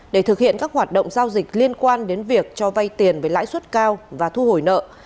để thực hiện các hoạt động giao dịch liên quan đến việc cho vay tiền với lãi suất cao và thu hồi nợ